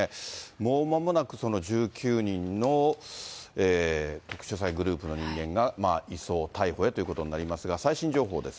もうまもなくその１９人の特殊詐欺グループの人間が移送、逮捕へということになりますが、最新情報です。